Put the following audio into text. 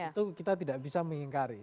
itu kita tidak bisa mengingkari